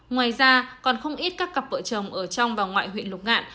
ngoài ra còn không ít các cặp vợ chồng ở trong và ngoài huyện lục ngạn